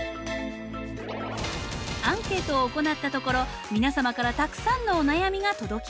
アンケートを行ったところ皆様からたくさんのお悩みが届きました。